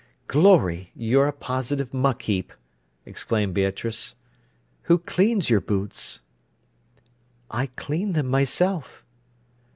"Glory! You're a positive muck heap," exclaimed Beatrice. "Who cleans your boots?" "I clean them myself."